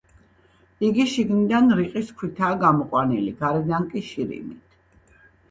იგი შიგიდან რიყის ქვითაა გამოყვანილი, გარედან კი შირიმით.